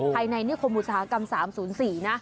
ในนิคมอุตสาหกรรม๓๐๔นะ